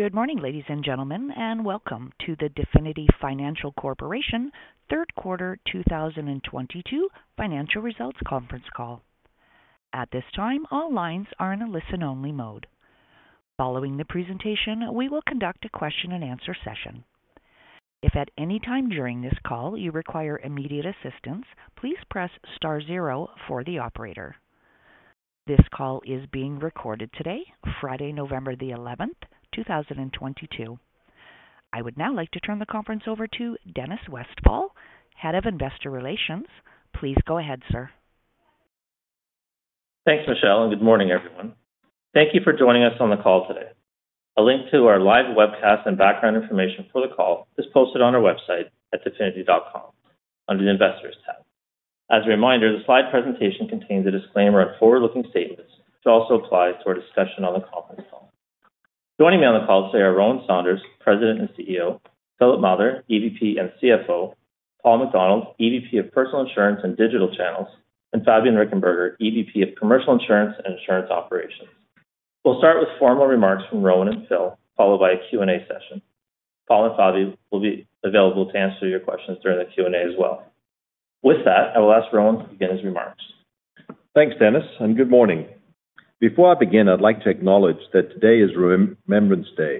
Good morning, ladies and gentlemen, and welcome to the Definity Financial Corp third quarter 2022 financial results conference call. At this time, all lines are in a listen-only mode. Following the presentation, we will conduct a question-and-answer session. If at any time during this call you require immediate assistance, please press star zero for the operator. This call is being recorded today, Friday, November 11th, 2022. I would now like to turn the conference over to Dennis Westfall, Head of Investor Relations. Please go ahead, sir. Thanks, Michelle, and good morning, everyone. Thank you for joining us on the call today. A link to our live webcast and background information for the call is posted on our website at definity.com under the Investors tab. As a reminder, the slide presentation contains a disclaimer on forward-looking statements, which also applies to our discussion on the conference call. Joining me on the call today are Rowan Saunders, President and CEO, Philip Mather, EVP and CFO, Paul MacDonald, EVP of Personal Insurance and Digital Channels, and Fabian Richenberger, EVP of Commercial Insurance and Insurance Operations. We'll start with formal remarks from Rowan and Phil, followed by a Q&A session. Paul and Fabi will be available to answer your questions during the Q&A as well. With that, I will ask Rowan to begin his remarks. Thanks, Dennis, and good morning. Before I begin, I'd like to acknowledge that today is Remembrance Day,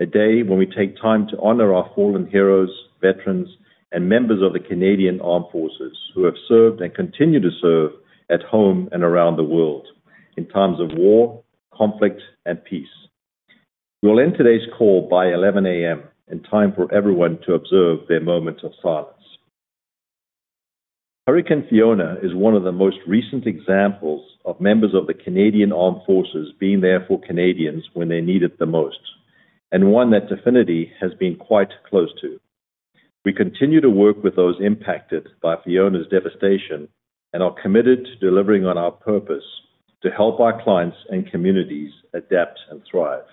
a day when we take time to honor our fallen heroes, veterans, and members of the Canadian Armed Forces who have served and continue to serve at home and around the world in times of war, conflict, and peace. We will end today's call by 11 A.M. in time for everyone to observe their moment of silence. Hurricane Fiona is one of the most recent examples of members of the Canadian Armed Forces being there for Canadians when they need it the most, and one that Definity has been quite close to. We continue to work with those impacted by Fiona's devastation and are committed to delivering on our purpose to help our clients and communities adapt and thrive.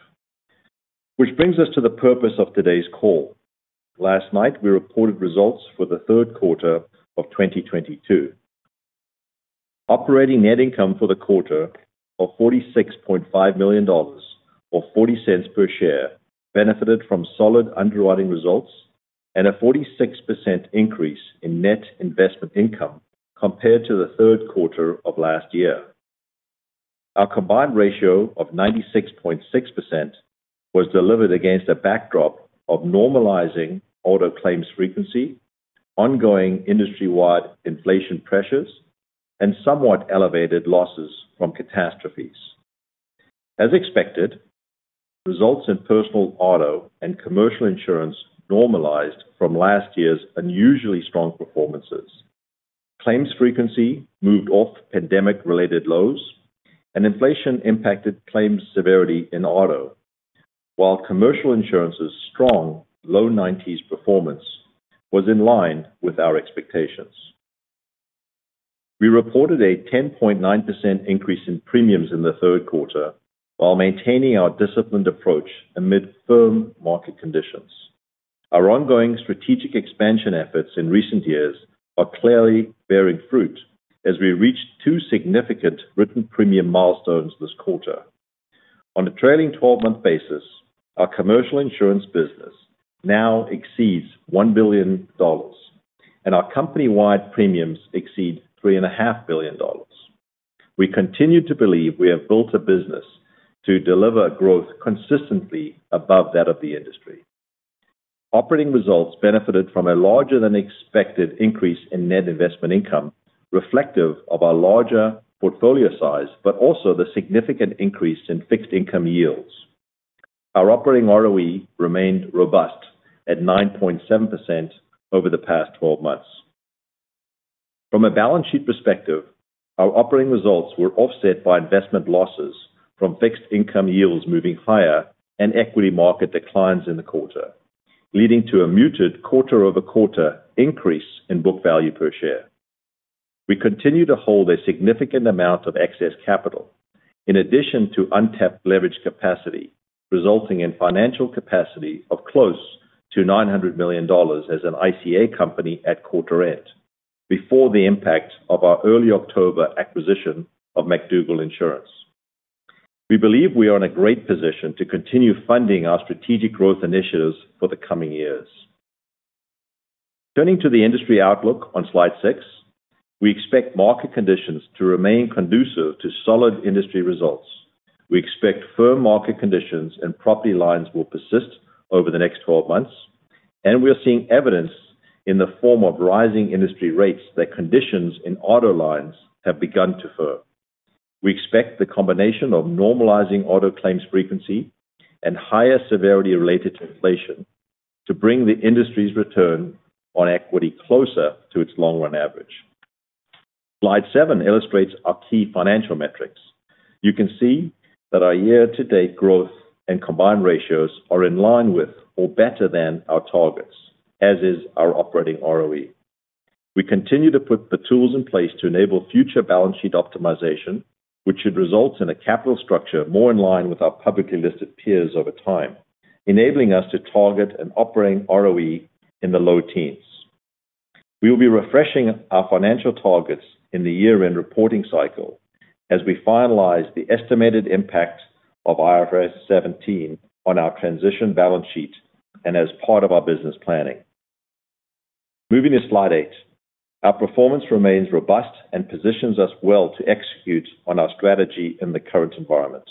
Which brings us to the purpose of today's call. Last night, we reported results for the third quarter of 2022. Operating net income for the quarter of 46.5 million dollars or 0.40 per share benefited from solid underwriting results and a 46% increase in net investment income compared to the third quarter of last year. Our combined ratio of 96.6% was delivered against a backdrop of normalizing auto claims frequency, ongoing industry-wide inflation pressures, and somewhat elevated losses from catastrophes. As expected, results in personal auto and commercial insurance normalized from last year's unusually strong performances. Claims frequency moved off pandemic-related lows and inflation impacted claims severity in auto. While commercial insurance's strong low 90s performance was in line with our expectations. We reported a 10.9% increase in premiums in the third quarter while maintaining our disciplined approach amid firm market conditions. Our ongoing strategic expansion efforts in recent years are clearly bearing fruit as we reached two significant written premium milestones this quarter. On a trailing-12-month basis, our commercial insurance business now exceeds 1 billion dollars and our company-wide premiums exceed 3.5 billion dollars. We continue to believe we have built a business to deliver growth consistently above that of the industry. Operating results benefited from a larger than expected increase in net investment income reflective of our larger portfolio size, but also the significant increase in fixed income yields. Our operating ROE remained robust at 9.7% over the past 12 months. From a balance sheet perspective, our operating results were offset by investment losses from fixed income yields moving higher and equity market declines in the quarter, leading to a muted quarter-over-quarter increase in book value per share. We continue to hold a significant amount of excess capital in addition to untapped leverage capacity, resulting in financial capacity of close to 900 million dollars as an ICA company at quarter end before the impact of our early October acquisition of McDougall Insurance. We believe we are in a great position to continue funding our strategic growth initiatives for the coming years. Turning to the industry outlook on Slide 6, we expect market conditions to remain conducive to solid industry results. We expect firm market conditions and property lines will persist over the next 12 months, and we are seeing evidence in the form of rising industry rates that conditions in auto lines have begun to firm. We expect the combination of normalizing auto claims frequency and higher severity related to inflation to bring the industry's return on equity closer to its long-run average. Slide 7 illustrates our key financial metrics. You can see that our year-to-date growth and combined ratios are in line with or better than our targets, as is our operating ROE. We continue to put the tools in place to enable future balance sheet optimization, which should result in a capital structure more in line with our publicly listed peers over time, enabling us to target an operating ROE in the low teens. We will be refreshing our financial targets in the year-end reporting cycle as we finalize the estimated impact of IFRS 17 on our transition balance sheet and as part of our business planning. Moving to Slide 8, our performance remains robust and positions us well to execute on our strategy in the current environment.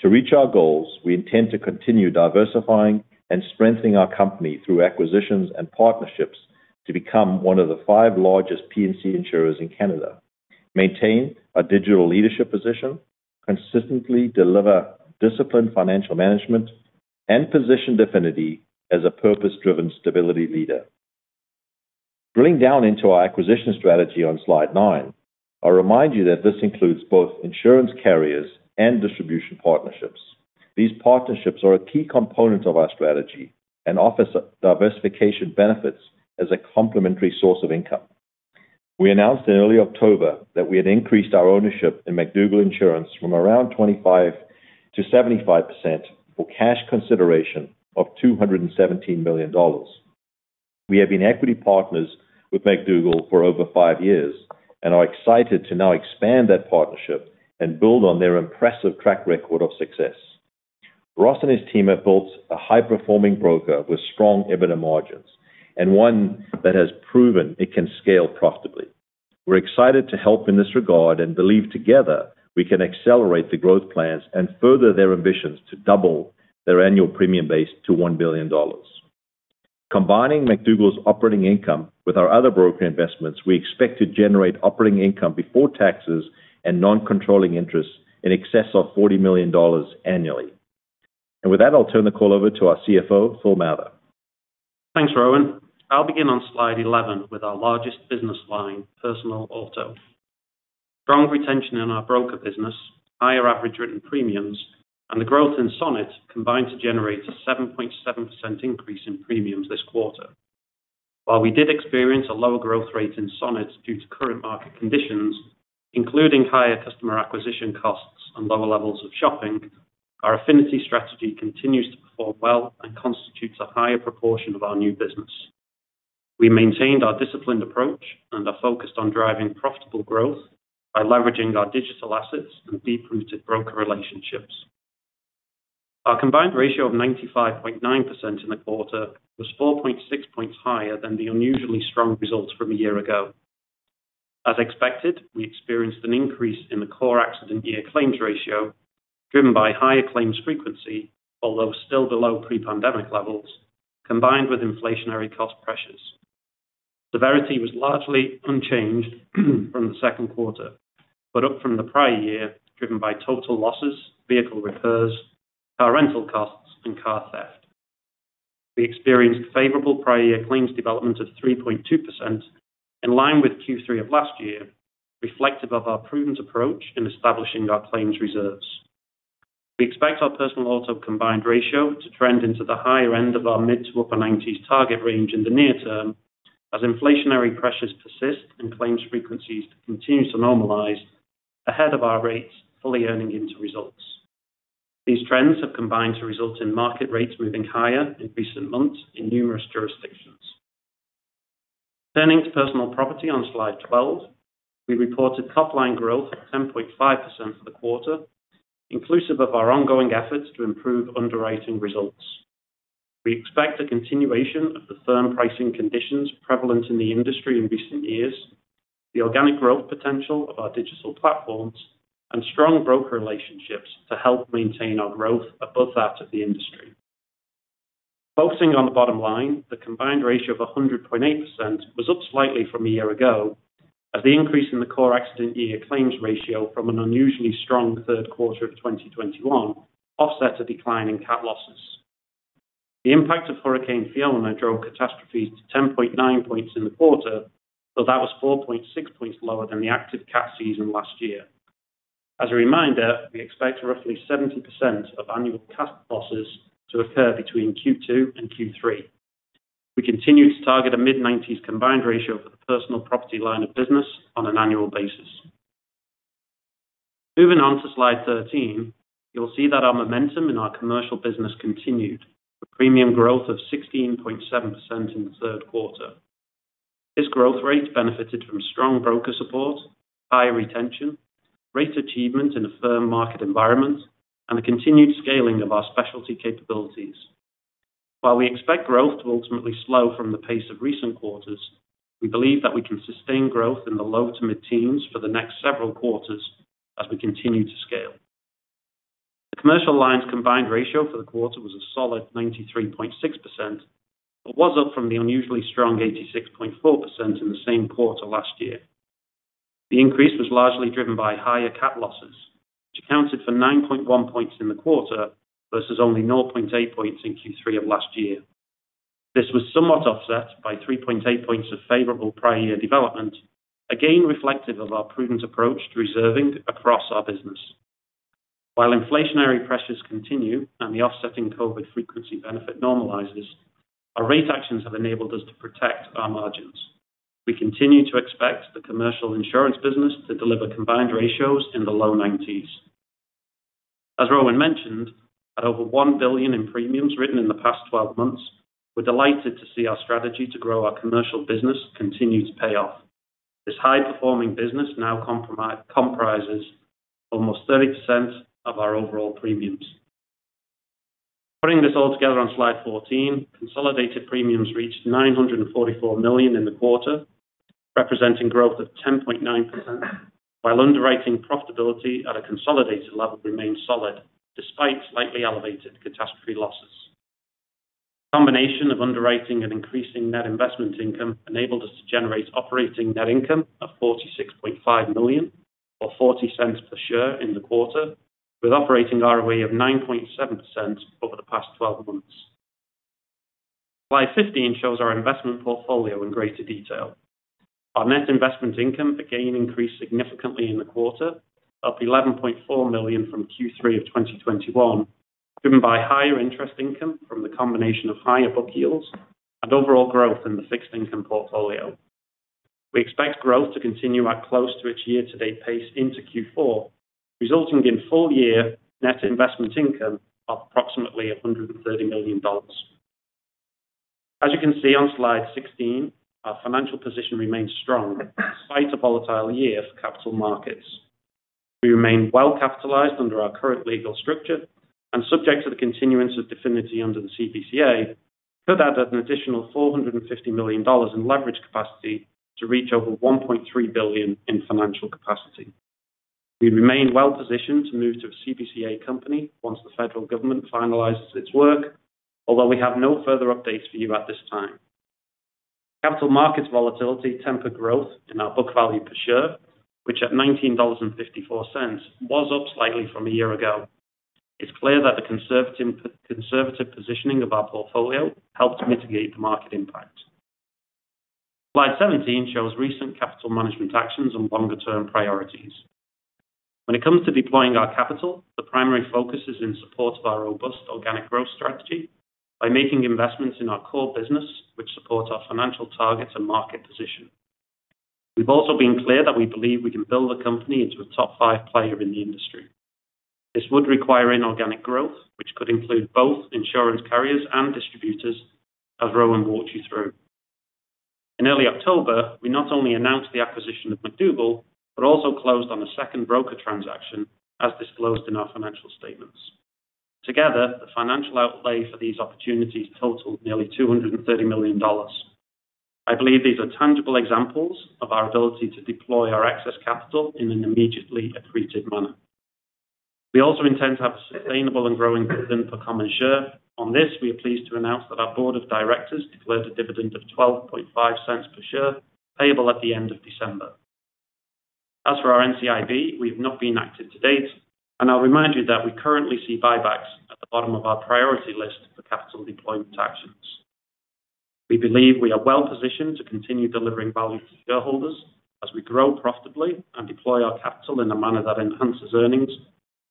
To reach our goals, we intend to continue diversifying and strengthening our company through acquisitions and partnerships to become one of the five largest P&C insurers in Canada, maintain a digital leadership position, consistently deliver disciplined financial management, and position Definity as a purpose-driven stability leader. Drilling down into our acquisition strategy on Slide 9, I remind you that this includes both insurance carriers and distribution partnerships. These partnerships are a key component of our strategy and offers diversification benefits as a complementary source of income. We announced in early October that we had increased our ownership in McDougall Insurance from around 25%-75% for cash consideration of 217 million dollars. We have been equity partners with McDougall for over five years and are excited to now expand that partnership and build on their impressive track record of success. Ross and his team have built a high-performing broker with strong EBITDA margins and one that has proven it can scale profitably. We're excited to help in this regard and believe together we can accelerate the growth plans and further their ambitions to double their annual premium base to 1 billion dollars. Combining McDougall's operating income with our other broker investments, we expect to generate operating income before taxes and non-controlling interests in excess of 40 million dollars annually. With that, I'll turn the call over to our CFO, Phil Mather. Thanks, Rowan. I'll begin on Slide 11 with our largest business line, personal auto. Strong retention in our broker business, higher average written premiums, and the growth in Sonnet combined to generate a 7.7% increase in premiums this quarter. While we did experience a lower growth rate in Sonnet due to current market conditions, including higher customer acquisition costs and lower levels of shopping, our affinity strategy continues to perform well and constitutes a higher proportion of our new business. We maintained our disciplined approach and are focused on driving profitable growth by leveraging our digital assets and deep-rooted broker relationships. Our combined ratio of 95.9% in the quarter was 4.6 points higher than the unusually strong results from a year ago. As expected, we experienced an increase in the core accident year claims ratio driven by higher claims frequency, although still below pre-pandemic levels, combined with inflationary cost pressures. Severity was largely unchanged from the second quarter, but up from the prior year, driven by total losses, vehicle repairs, car rental costs, and car theft. We experienced favorable prior year claims development of 3.2% in line with Q3 of last year, reflective of our prudent approach in establishing our claims reserves. We expect our personal auto combined ratio to trend into the higher end of our mid- to upper-90s target range in the near term as inflationary pressures persist and claims frequencies continue to normalize ahead of our rates fully earning into results. These trends have combined to result in market rates moving higher in recent months in numerous jurisdictions. Turning to personal property on Slide 12, we reported top line growth of 10.5% for the quarter, inclusive of our ongoing efforts to improve underwriting results. We expect a continuation of the firm pricing conditions prevalent in the industry in recent years, the organic growth potential of our digital platforms, and strong broker relationships to help maintain our growth above that of the industry. Focusing on the bottom line, the combined ratio of 100.8% was up slightly from a year ago as the increase in the core accident year claims ratio from an unusually strong third quarter of 2021 offset a decline in cat losses. The impact of Hurricane Fiona drove catastrophes to 10.9 points in the quarter, so that was 4.6 points lower than the active cat season last year. As a reminder, we expect roughly 70% of annual cat losses to occur between Q2 and Q3. We continue to target a mid-90s combined ratio for the personal property line of business on an annual basis. Moving on to Slide 13, you will see that our momentum in our commercial business continued, with premium growth of 16.7% in the third quarter. This growth rate benefited from strong broker support, high retention, rate achievement in a firm market environment, and the continued scaling of our specialty capabilities. While we expect growth to ultimately slow from the pace of recent quarters, we believe that we can sustain growth in the low to mid-teens for the next several quarters as we continue to scale. The commercial lines combined ratio for the quarter was a solid 93.6%. It was up from the unusually strong 86.4% in the same quarter last year. The increase was largely driven by higher cat losses, which accounted for 9.1 points in the quarter versus only 0.8 points in Q3 of last year. This was somewhat offset by 3.8 points of favorable prior year development, again reflective of our prudent approach to reserving across our business. While inflationary pressures continue and the offsetting COVID frequency benefit normalizes, our rate actions have enabled us to protect our margins. We continue to expect the commercial insurance business to deliver combined ratios in the low 90s. As Rowan mentioned, at over 1 billion in premiums written in the past 12 months, we're delighted to see our strategy to grow our commercial business continue to pay off. This high-performing business now comprises almost 30% of our overall premiums. Putting this all together on Slide 14, consolidated premiums reached 944 million in the quarter, representing growth of 10.9%, while underwriting profitability at a consolidated level remained solid despite slightly elevated catastrophe losses. Combination of underwriting and increasing net investment income enabled us to generate operating net income of 46.5 million, or 0.40 per share in the quarter, with operating ROE of 9.7% over the past 12 months. Slide 15 shows our investment portfolio in greater detail. Our net investment income again increased significantly in the quarter of 11.4 million from Q3 of 2021, driven by higher interest income from the combination of higher book yields and overall growth in the fixed income portfolio. We expect growth to continue at close to its year-to-date pace into Q4, resulting in full year net investment income of approximately 130 million dollars. As you can see on Slide 16, our financial position remains strong despite a volatile year for capital markets. We remain well capitalized under our current legal structure and subject to the continuance of Definity under the CBCA could add an additional 450 million dollars in leverage capacity to reach over 1.3 billion in financial capacity. We remain well positioned to move to a CBCA company once the federal government finalizes its work. Although we have no further updates for you at this time. Capital markets volatility temper growth in our book value per share, which at 19.54 dollars was up slightly from a year ago. It's clear that the conservative positioning of our portfolio helped to mitigate the market impact. Slide 17 shows recent capital management actions and longer-term priorities. When it comes to deploying our capital, the primary focus is in support of our robust organic growth strategy by making investments in our core business, which supports our financial targets and market position. We've also been clear that we believe we can build the company into a top five player in the industry. This would require inorganic growth, which could include both insurance carriers and distributors as Rowan walked you through. In early October, we not only announced the acquisition of McDougall, but also closed on a second broker transaction, as disclosed in our financial statements. Together, the financial outlay for these opportunities totaled nearly 230 million dollars. I believe these are tangible examples of our ability to deploy our excess capital in an immediately accretive manner. We also intend to have a sustainable and growing dividend per common share. On this, we are pleased to announce that our board of directors declared a dividend of 0.125 per share, payable at the end of December. As for our NCIB, we've not been active to date, and I'll remind you that we currently see buybacks at the bottom of our priority list for capital deployment actions. We believe we are well positioned to continue delivering value to shareholders as we grow profitably and deploy our capital in a manner that enhances earnings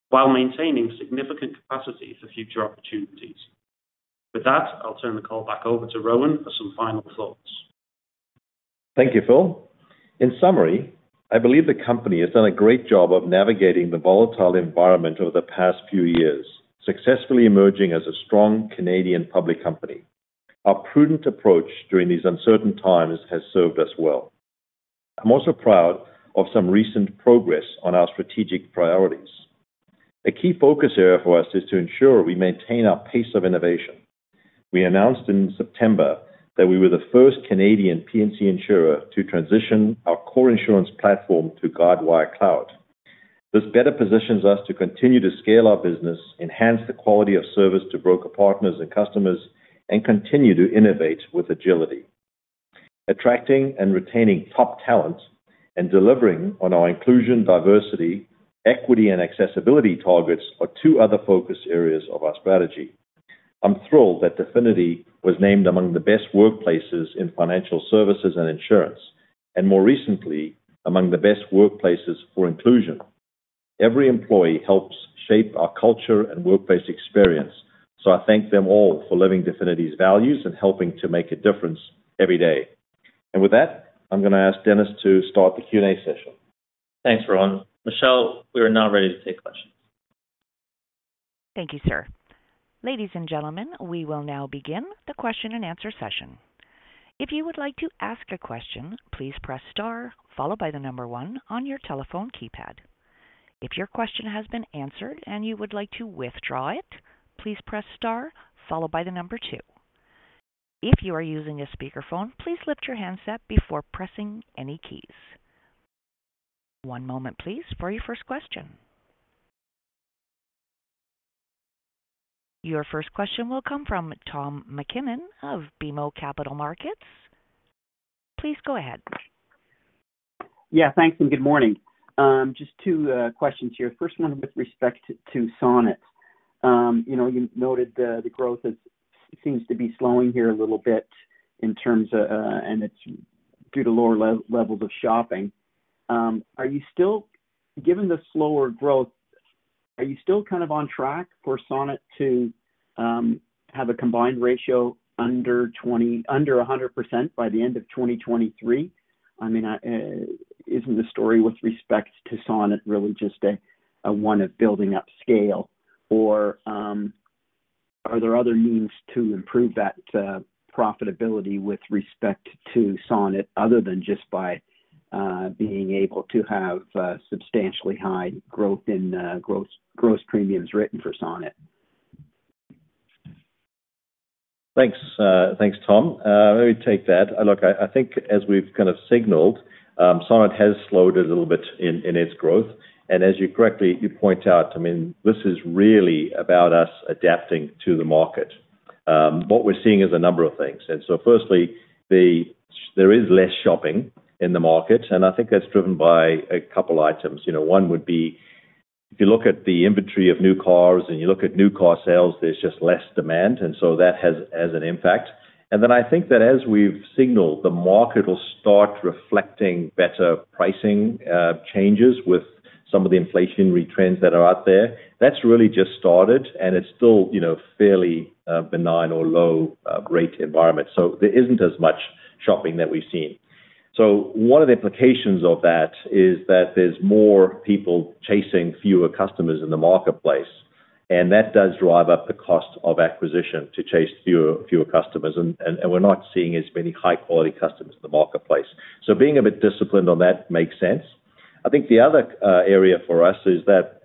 while maintaining significant capacity for future opportunities. With that, I'll turn the call back over to Rowan for some final thoughts. Thank you, Phil. In summary, I believe the company has done a great job of navigating the volatile environment over the past few years, successfully emerging as a strong Canadian public company. Our prudent approach during these uncertain times has served us well. I'm also proud of some recent progress on our strategic priorities. A key focus area for us is to ensure we maintain our pace of innovation. We announced in September that we were the first Canadian P&C insurer to transition our core insurance platform to Guidewire Cloud. This better positions us to continue to scale our business, enhance the quality of service to broker partners and customers, and continue to innovate with agility. Attracting and retaining top talent and delivering on our inclusion, diversity, equity, and accessibility targets are two other focus areas of our strategy. I'm thrilled that Definity was named among the best workplaces in financial services and insurance, and more recently, among the best workplaces for inclusion. Every employee helps shape our culture and workplace experience, so I thank them all for living Definity's values and helping to make a difference every day. With that, I'm gonna ask Dennis to start the Q&A session. Thanks, Rowan. Michelle, we are now ready to take questions. Thank you, sir. Ladies and gentlemen, we will now begin the question-and-answer session. If you would like to ask a question, please press star followed by one on your telephone keypad. If your question has been answered and you would like to withdraw it, please press star followed by two. If you are using a speakerphone, please lift your handset before pressing any keys. One moment please for your first question. Your first question will come from Tom MacKinnon of BMO Capital Markets. Please go ahead. Yeah, thanks, and good morning. Just two questions here. First one with respect to Sonnet. You know, you noted the growth seems to be slowing here a little bit in terms of, and it's due to lower levels of shopping. Given the slower growth, are you still kind of on track for Sonnet to have a combined ratio under 100% by the end of 2023? I mean, isn't the story with respect to Sonnet really just a one of building up scale? Or, are there other means to improve that profitability with respect to Sonnet other than just by being able to have substantially high growth in gross premiums written for Sonnet? Thanks. Thanks, Tom. Let me take that. Look, I think as we've kind of signaled, Sonnet has slowed a little bit in its growth. As you correctly point out, I mean, this is really about us adapting to the market. What we're seeing is a number of things. Firstly, there is less shopping in the market, and I think that's driven by a couple items. You know, one would be if you look at the inventory of new cars and you look at new car sales, there's just less demand, and so that has an impact. Then I think that as we've signaled, the market will start reflecting better pricing changes with some of the inflationary trends that are out there. That's really just started, and it's still, you know, fairly, benign or low, rate environment. There isn't as much shopping that we've seen. One of the implications of that is that there's more people chasing fewer customers in the marketplace, and that does drive up the cost of acquisition to chase fewer customers. We're not seeing as many high quality customers in the marketplace. Being a bit disciplined on that makes sense. I think the other area for us is that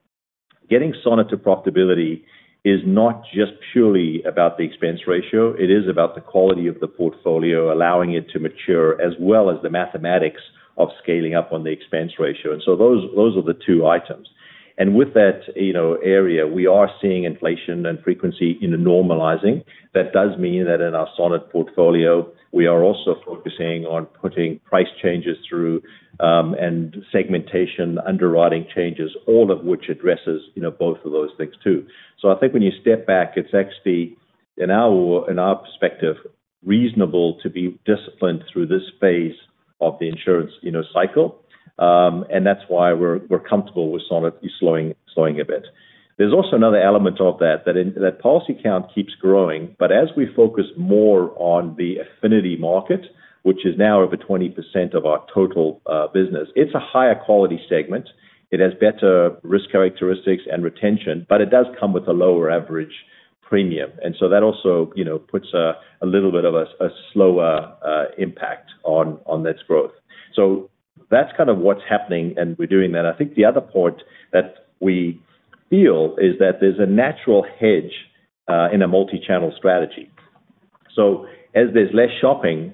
getting Sonnet to profitability is not just purely about the expense ratio, it is about the quality of the portfolio, allowing it to mature, as well as the mathematics of scaling up on the expense ratio. Those are the two items. With that, you know, area, we are seeing inflation and frequency in the normalizing. That does mean that in our Sonnet portfolio, we are also focusing on putting price changes through, and segmentation, underwriting changes, all of which addresses, you know, both of those things too. I think when you step back, it's actually, in our perspective, reasonable to be disciplined through this phase of the insurance cycle. That's why we're comfortable with Sonnet slowing a bit. There's also another element of that policy count keeps growing, but as we focus more on the affinity market, which is now over 20% of our total business, it's a higher quality segment. It has better risk characteristics and retention, but it does come with a lower average premium. That also, you know, puts a little bit of a slower impact on its growth. That's kind of what's happening, and we're doing that. I think the other point that we feel is that there's a natural hedge in a multi-channel strategy. As there's less shopping,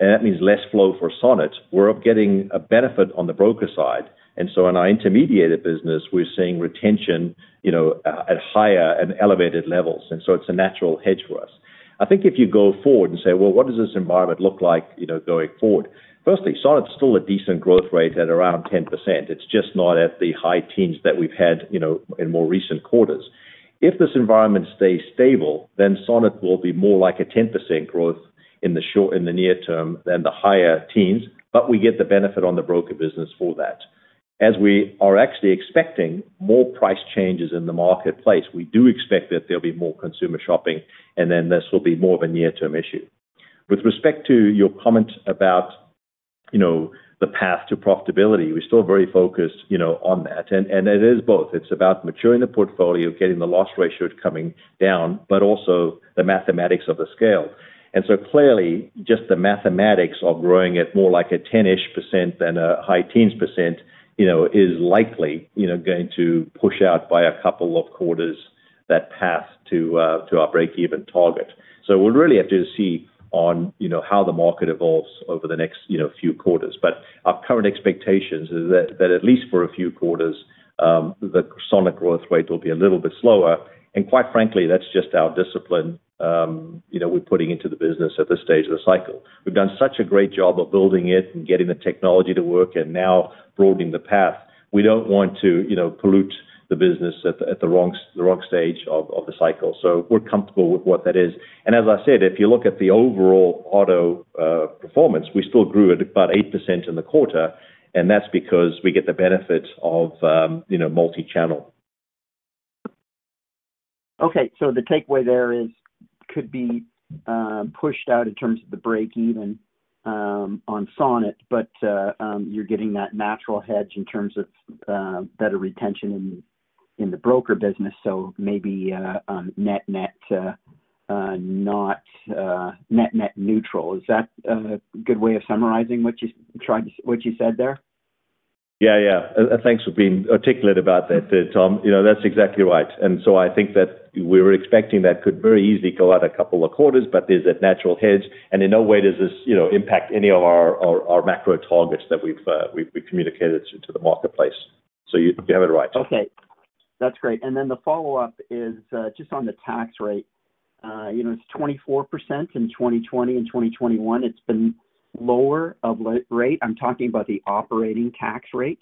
and that means less flow for Sonnet, we're getting a benefit on the broker side. In our intermediated business, we're seeing retention, you know, at higher and elevated levels, and so it's a natural hedge for us. I think if you go forward and say, "Well, what does this environment look like, you know, going forward?" Firstly, Sonnet's still a decent growth rate at around 10%. It's just not at the high teens that we've had, you know, in more recent quarters. If this environment stays stable, then Sonnet will be more like a 10% growth in the near term than the higher teens, but we get the benefit on the broker business for that. As we are actually expecting more price changes in the marketplace, we do expect that there'll be more consumer shopping, and then this will be more of a near-term issue. With respect to your comment about, you know, the path to profitability, we're still very focused, you know, on that. It is both. It's about maturing the portfolio, getting the loss ratio coming down, but also the mathematics of the scale. Clearly, just the mathematics of growing at more like a 10-ish% than a high teens percent, you know, is likely, you know, going to push out by a couple of quarters that path to our break-even target. We'll really have to see on, you know, how the market evolves over the next, you know, few quarters. Our current expectations is that at least for a few quarters, the Sonnet growth rate will be a little bit slower. Quite frankly, that's just our discipline, you know, we're putting into the business at this stage of the cycle. We've done such a great job of building it and getting the technology to work and now broadening the path. We don't want to, you know, pollute the business at the wrong stage of the cycle. We're comfortable with what that is. As I said, if you look at the overall auto performance, we still grew at about 8% in the quarter, and that's because we get the benefit of you know, multi-channel. Okay, the takeaway there it could be pushed out in terms of the break even on Sonnet, but you're getting that natural hedge in terms of better retention in the broker business. Maybe net-net neutral. Is that a good way of summarizing what you said there? Yeah, yeah. Thanks for being articulate about that there, Tom. You know, that's exactly right. I think that we're expecting that could very easily go out a couple of quarters, but there's that natural hedge, and in no way does this, you know, impact any of our macro targets that we've communicated to the marketplace. You have it right. Okay. That's great. The follow-up is just on the tax rate. You know, it's 24% in 2020. In 2021, it's been lower of late rate. I'm talking about the operating tax rate.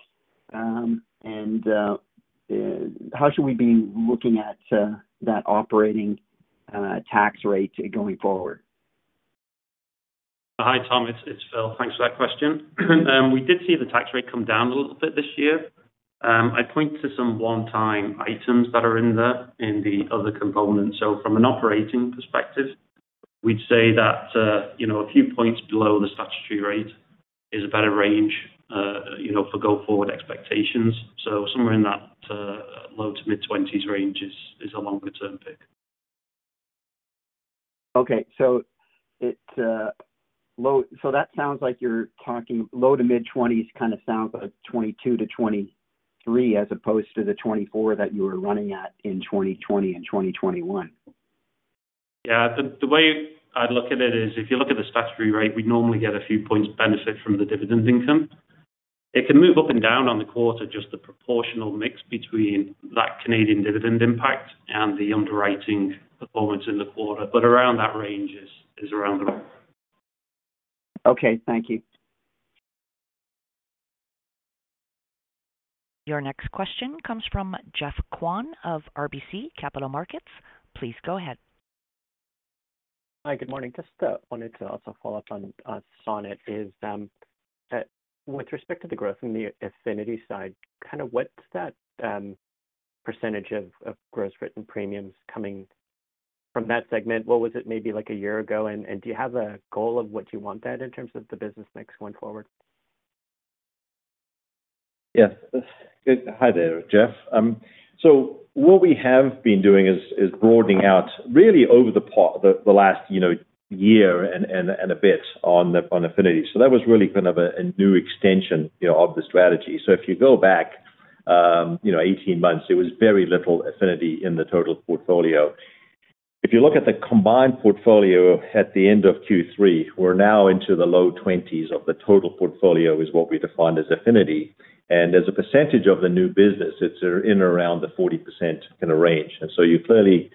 How should we be looking at that operating tax rate going forward? Hi, Tom, it's Phil. Thanks for that question. We did see the tax rate come down a little bit this year. I point to some one-time items that are in there in the other components. From an operating perspective, we'd say that, you know, a few points below the statutory rate is a better range, you know, for go-forward expectations. Somewhere in that, low- to mid-20s range is a longer-term pick. Okay. That sounds like you're talking low- to mid-20s kind of sounds like 22%-23% as opposed to the 24% that you were running at in 2020 and 2021. Yeah. The way I'd look at it is if you look at the statutory rate, we'd normally get a few points benefit from the dividend income. It can move up and down on the quarter, just the proportional mix between that Canadian dividend impact and the underwriting performance in the quarter. Around that range is around the. Okay, thank you. Your next question comes from Geoff Kwan of RBC Capital Markets. Please go ahead. Hi, good morning. Just wanted to also follow-up on Sonnet with respect to the growth in the affinity side, kind of what's that percentage of gross written premiums coming from that segment? What was it maybe like a year ago? Do you have a goal of what you want that in terms of the business mix going forward? Hi there, Geoff. What we have been doing is broadening out really over the last year and a bit on affinity. That was really kind of a new extension of the strategy. If you go back 18 months, there was very little affinity in the total portfolio. If you look at the combined portfolio at the end of Q3, we're now into the low 20s of the total portfolio is what we defined as affinity. As a percentage of the new business, it's in and around the 40% kind of range. You clearly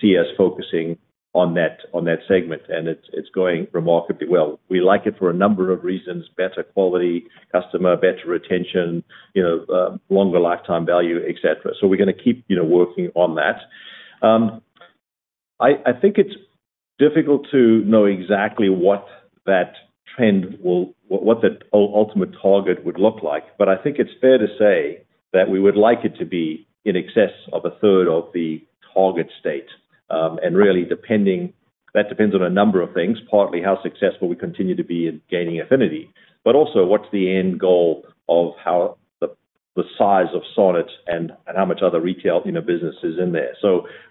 see us focusing on that segment, and it's going remarkably well. We like it for a number of reasons, better quality customer, better retention, you know, longer lifetime value, et cetera. We're gonna keep, you know, working on that. I think it's difficult to know exactly what that ultimate target would look like. I think it's fair to say that we would like it to be in excess of a third of the target state. That depends on a number of things, partly how successful we continue to be in gaining affinity, but also what's the end goal of how the size of Sonnet and how much other retail, you know, business is in there?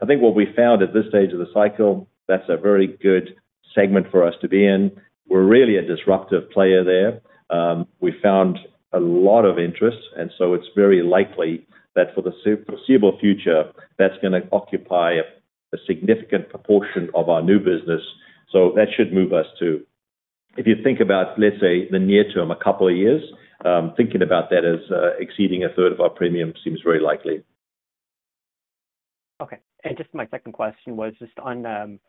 I think what we found at this stage of the cycle, that's a very good segment for us to be in. We're really a disruptive player there. We found a lot of interest, and so it's very likely that for the foreseeable future, that's gonna occupy a significant proportion of our new business. That should move us too. If you think about, let's say, the near term, a couple of years, thinking about that as exceeding a third of our premium seems very likely. Okay. Just my second question was just on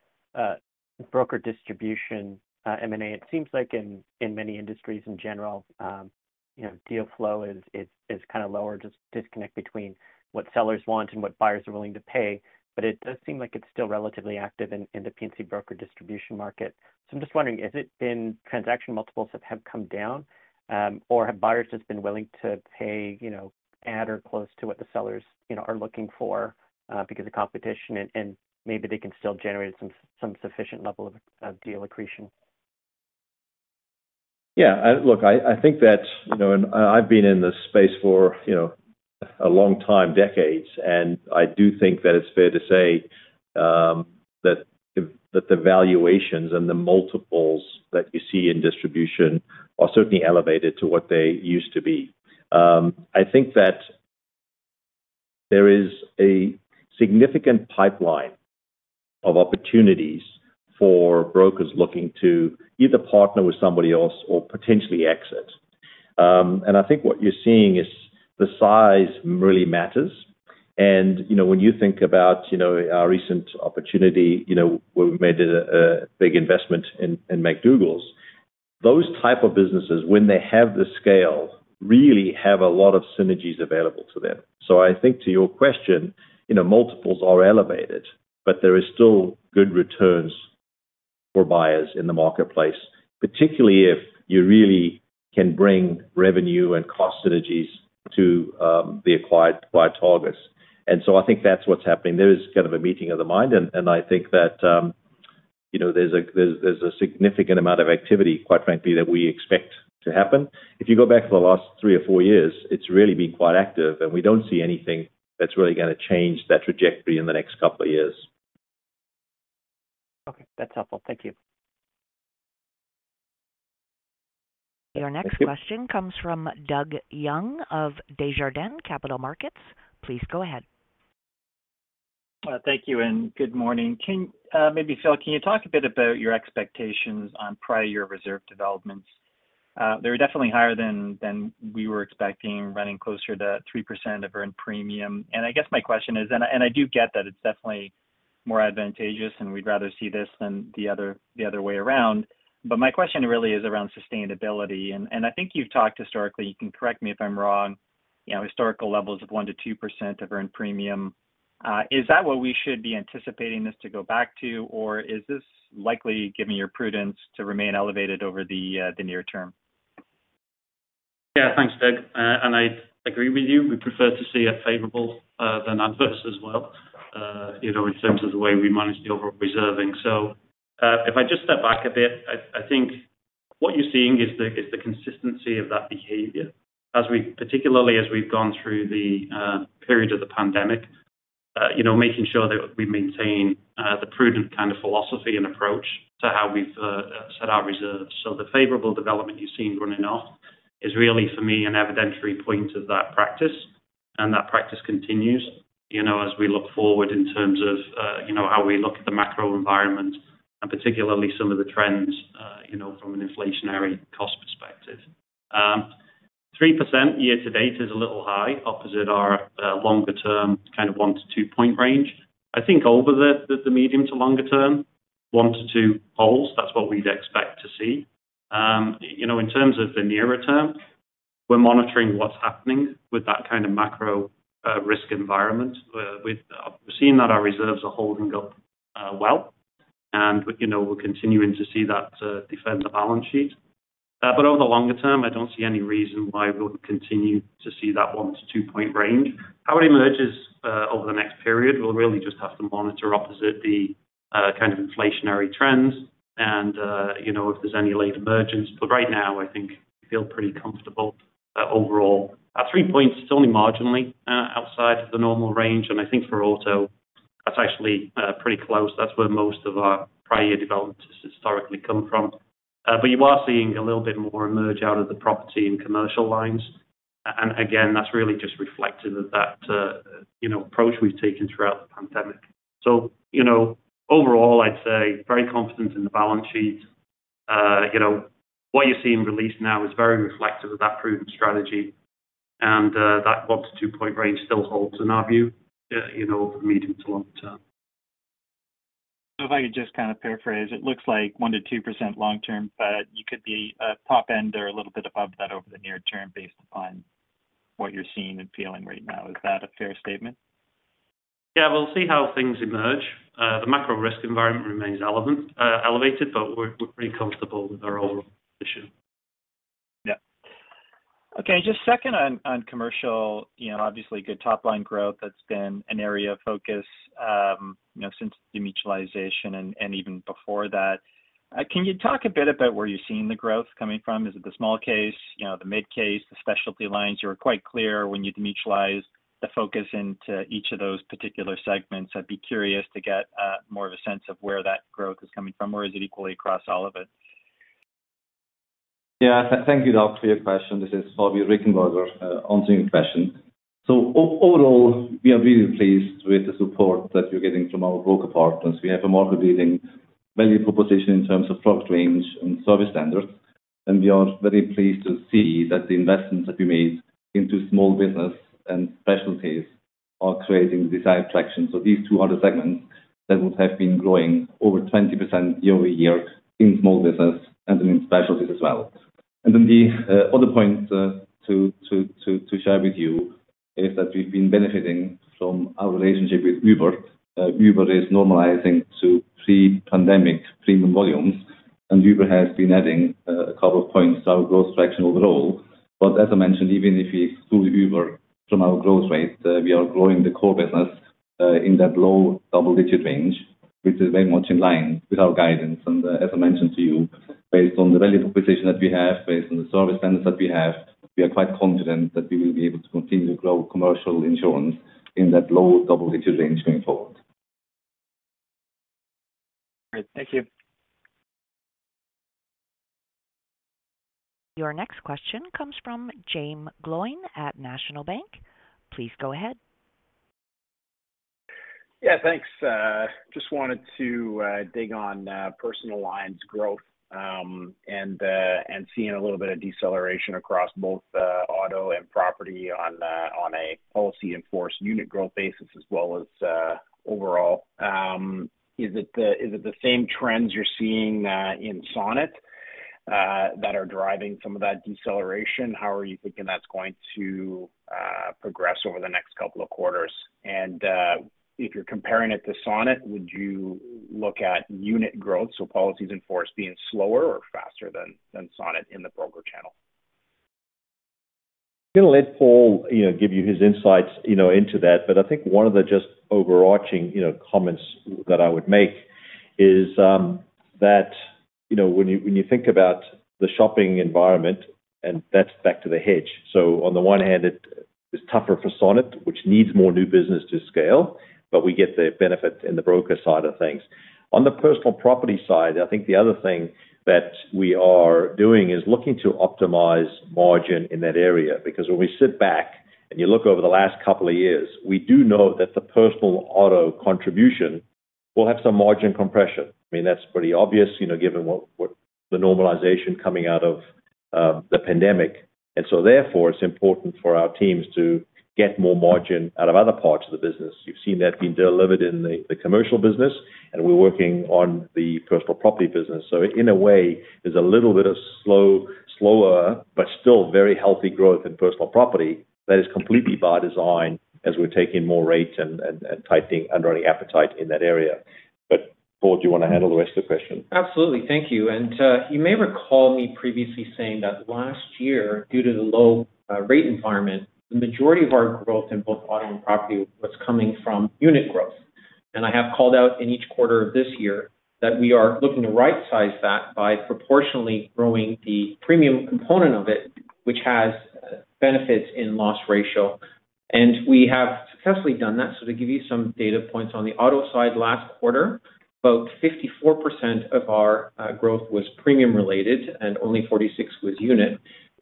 broker distribution, M&A. It seems like in many industries in general, you know, deal flow is kind of lower, just disconnect between what sellers want and what buyers are willing to pay. It does seem like it's still relatively active in the P&C broker distribution market. I'm just wondering, have transaction multiples come down, or have buyers just been willing to pay, you know, at or close to what the sellers, you know, are looking for, because of competition and maybe they can still generate some sufficient level of deal accretion? Yeah. Look, I think that, you know, I've been in this space for, you know, a long time, decades, and I do think that it's fair to say that the valuations and the multiples that you see in distribution are certainly elevated to what they used to be. I think that there is a significant pipeline of opportunities for brokers looking to either partner with somebody else or potentially exit. I think what you're seeing is the size really matters. You know, when you think about, you know, our recent opportunity, you know, where we made a big investment in McDougall, those type of businesses when they have the scale really have a lot of synergies available to them. I think to your question, you know, multiples are elevated, but there is still good returns for buyers in the marketplace, particularly if you really can bring revenue and cost synergies to the acquired buy targets. I think that's what's happening. There is kind of a meeting of the mind, and I think that, you know, there's a significant amount of activity, quite frankly, that we expect to happen. If you go back for the last three or four years, it's really been quite active, and we don't see anything that's really gonna change that trajectory in the next couple of years. Okay. That's helpful. Thank you. Our next question comes from Doug Young of Desjardins Capital Markets. Please go ahead. Thank you and good morning. Maybe Phil, can you talk a bit about your expectations on prior year reserve developments? They were definitely higher than we were expecting, running closer to 3% of earned premium. I guess my question is, and I do get that it's definitely more advantageous, and we'd rather see this than the other way around. My question really is around sustainability. I think you've talked historically, you can correct me if I'm wrong, you know, historical levels of 1%-2% of earned premium. Is that what we should be anticipating this to go back to? Or is this likely, given your prudence, to remain elevated over the near term? Yeah, thanks, Doug. I agree with you. We prefer to see a favorable than adverse as well, you know, in terms of the way we manage the overall reserving. If I just step back a bit, I think what you're seeing is the consistency of that behavior particularly as we've gone through the period of the pandemic, you know, making sure that we maintain the prudent kind of philosophy and approach to how we've set our reserves. The favorable development you've seen running off is really, for me, an evidentiary point of that practice. That practice continues, you know, as we look forward in terms of, you know, how we look at the macro environment and particularly some of the trends, you know, from an inflationary cost perspective. 3% year to date is a little high opposite our longer term, kind of 1-2 point range. I think over the medium to longer term, 1-2 point holds, that's what we'd expect to see. You know, in terms of the nearer term, we're monitoring what's happening with that kind of macro risk environment. We've seen that our reserves are holding up well, and you know, we're continuing to see that defend the balance sheet. Over the longer term, I don't see any reason why we wouldn't continue to see that 1-2 point range. How it emerges over the next period, we'll really just have to monitor opposite the kind of inflationary trends and you know, if there's any late emergence. Right now, I think we feel pretty comfortable, overall. At 3 points, it's only marginally outside of the normal range, and I think for auto, that's actually pretty close. That's where most of our prior year developments historically come from. You are seeing a little bit more emerge out of the property and commercial lines. Again, that's really just reflective of that, you know, approach we've taken throughout the pandemic. You know, overall, I'd say very confident in the balance sheet. You know, what you're seeing released now is very reflective of that proven strategy. That 1-2 point range still holds in our view, you know, medium to long term. If I could just kind of paraphrase, it looks like 1%-2% long term, but you could be top end or a little bit above that over the near term based upon what you're seeing and feeling right now. Is that a fair statement? Yeah. We'll see how things emerge. The macro risk environment remains elevated, but we're pretty comfortable with our overall position. Yeah. Okay. Just second on commercial, you know, obviously good top-line growth. That's been an area of focus, you know, since demutualization and even before that. Can you talk a bit about where you're seeing the growth coming from? Is it the small case, you know, the mid case, the specialty lines? You were quite clear when you demutualized the focus into each of those particular segments. I'd be curious to get more of a sense of where that growth is coming from, or is it equally across all of it? Yeah. Thank you, Doug, for your question. This is Fabian Richenberger answering your question. Overall, we are really pleased with the support that we're getting from our broker partners. We have a market-leading value proposition in terms of product range and service standards, and we are very pleased to see that the investments that we made into small business and specialties are creating the desired traction. These two are the segments that would have been growing over 20% year-over-year in small business and in specialties as well. Then the other point to share with you is that we've been benefiting from our relationship with Uber. Uber is normalizing to pre-pandemic premium volumes, and Uber has been adding a couple of points to our growth traction overall. As I mentioned, even if we exclude Uber from our growth rate, we are growing the core business in that low double-digit range, which is very much in line with our guidance. as I mentioned to you, based on the value proposition that we have, based on the service standards that we have, we are quite confident that we will be able to continue to grow commercial insurance in that low double-digit range going forward. Great. Thank you. Your next question comes from Jaeme Gloyn at National Bank Financial. Please go ahead. Yeah, thanks. Just wanted to dig into personal lines growth, and seeing a little bit of deceleration across both auto and property on a policies in force unit growth basis as well as overall. Is it the same trends you're seeing in Sonnet that are driving some of that deceleration? How are you thinking that's going to progress over the next couple of quarters? If you're comparing it to Sonnet, would you look at unit growth, so policies in force being slower or faster than Sonnet in the broker channel? Gonna let Paul, you know, give you his insights, you know, into that. I think one of the just overarching, you know, comments that I would make is, that, you know, when you think about the shopping environment, and that's back to the hedge. On the one hand it is tougher for Sonnet, which needs more new business to scale, but we get the benefit in the broker side of things. On the personal property side, I think the other thing that we are doing is looking to optimize margin in that area. Because when we sit back and you look over the last couple of years, we do know that the personal auto contribution will have some margin compression. I mean, that's pretty obvious, you know, given what the normalization coming out of the pandemic. Therefore, it's important for our teams to get more margin out of other parts of the business. You've seen that being delivered in the commercial business, and we're working on the personal property business. In a way, there's a little bit of slower, but still very healthy growth in personal property that is completely by design as we're taking more rates and tightening underwriting appetite in that area. Paul, do you want to handle the rest of the question? Absolutely. Thank you. You may recall me previously saying that last year, due to the low rate environment, the majority of our growth in both auto and property was coming from unit growth. I have called out in each quarter of this year that we are looking to right-size that by proportionally growing the premium component of it, which has benefits in loss ratio. We have successfully done that. To give you some data points on the auto side, last quarter, about 54% of our growth was premium related and only 46% was unit.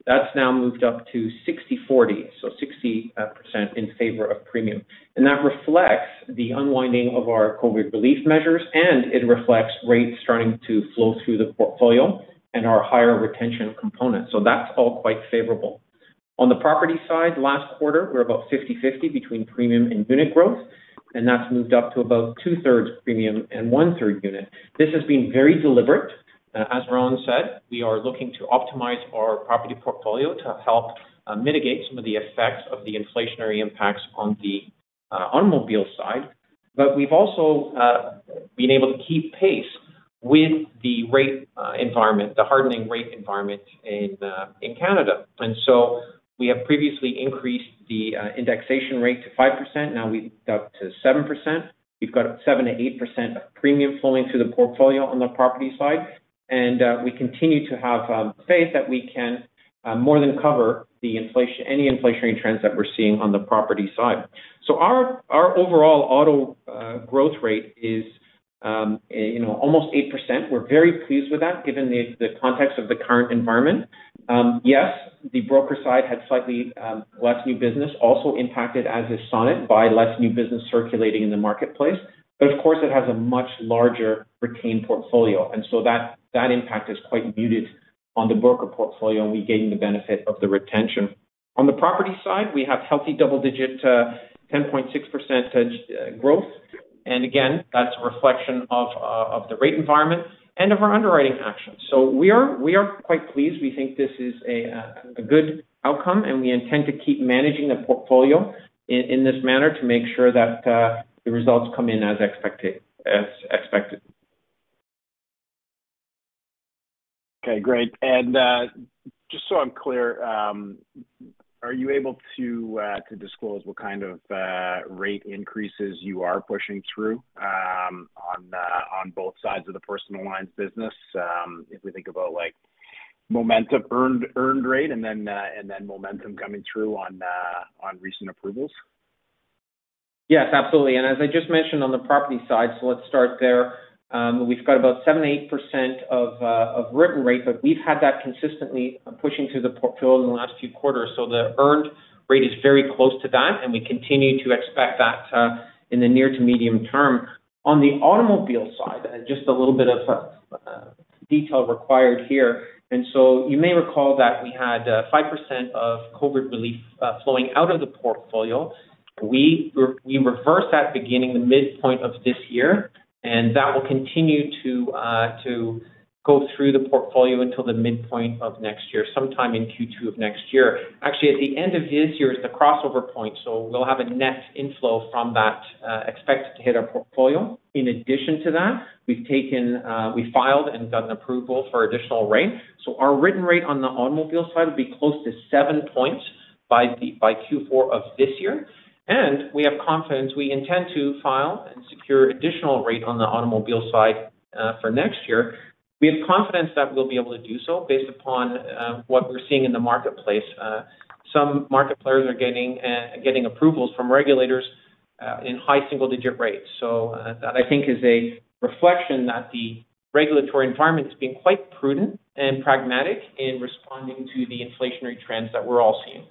That's now moved up to 60/40, so 60% in favor of premium. That reflects the unwinding of our COVID relief measures, and it reflects rates starting to flow through the portfolio and our higher retention component. That's all quite favorable. On the property side, last quarter, we're about 50/50 between premium and unit growth, and that's moved up to about 2/3 premium and 1/3 unit. This has been very deliberate. As Rowan said, we are looking to optimize our property portfolio to help mitigate some of the effects of the inflationary impacts on the automobile side. We've also been able to keep pace with the rate environment, the hardening rate environment in Canada. We have previously increased the indexation rate to 5%, now we've got to 7%. We've got 7%-8% of premium flowing through the portfolio on the property side. We continue to have faith that we can more than cover the inflation, any inflationary trends that we're seeing on the property side. Our overall auto growth rate is you know almost 8%. We're very pleased with that, given the context of the current environment. Yes, the broker side had slightly less new business also impacted, as has Sonnet, by less new business circulating in the marketplace. Of course, it has a much larger retained portfolio, and so that impact is quite muted on the broker portfolio, and we gain the benefit of the retention. On the property side, we have healthy double-digit 10.6% growth. Again, that's a reflection of the rate environment and of our underwriting actions. We are quite pleased. We think this is a good outcome, and we intend to keep managing the portfolio in this manner to make sure that the results come in as expected. Okay, great. Just so I'm clear, are you able to disclose what kind of rate increases you are pushing through on both sides of the personal lines business? If we think about, like, momentum earned rate and then momentum coming through on recent approvals. Yes, absolutely. As I just mentioned on the property side, let's start there. We've got about 7%-8% of written rate, but we've had that consistently pushing through the portfolio in the last few quarters. The earned rate is very close to that, and we continue to expect that in the near to medium term. On the automobile side, just a little bit of detail required here. You may recall that we had 5% of COVID relief flowing out of the portfolio. We reversed that beginning the midpoint of this year, and that will continue to go through the portfolio until the midpoint of next year, sometime in Q2 of next year. Actually, at the end of this year is the crossover point, so we'll have a net inflow from that expected to hit our portfolio. In addition to that, we filed and got approval for additional rate. Our written rate on the automobile side will be close to seven points by Q4 of this year. We have confidence we intend to file and secure additional rate on the automobile side for next year. We have confidence that we'll be able to do so based upon what we're seeing in the marketplace. Some market players are getting approvals from regulators in high single digit rates. That I think is a reflection that the regulatory environment is being quite prudent and pragmatic in responding to the inflationary trends that we're all seeing.